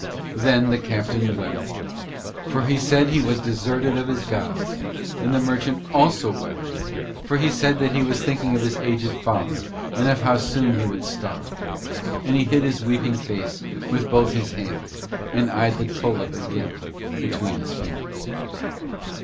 Then the captain wept, for he said that he was deserted of his gods; and the merchant also wept, for he said that he was thinking of his aged father, and of how soon he would starve, and he hid his weeping face with both his hands, and eyed the tollub again between his fingers.